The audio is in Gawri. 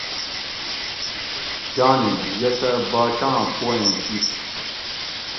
جانیں یہ تہ باچاں پو ایں اِیس